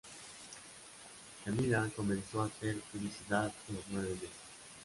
Camilla comenzó a hacer publicidad a los nueve meses.